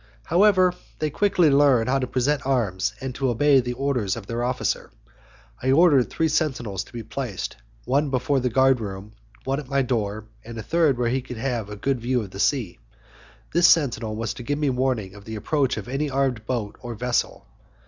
However, they quickly learned how to present arms and to obey the orders of their officer. I caused three sentinels to be placed, one before the guardroom, one at my door, and the third where he could have a good view of the sea. This sentinel was to give me warning of the approach of any armed boat or vessel.